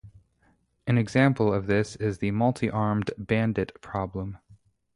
An example of this is the multi-armed bandit problem.